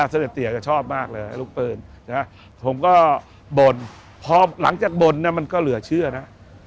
เสด็จเตี๋ยก็ชอบมากเลยลูกปืนผมก็บ่นพอหลังจากบ่นมันก็เหลือเชื่อนะ